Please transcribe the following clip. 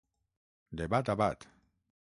De bat a bat.